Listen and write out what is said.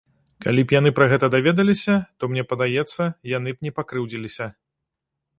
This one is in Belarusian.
Калі б яны пра гэта даведаліся, то, мне падаецца, яны б не пакрыўдзіліся.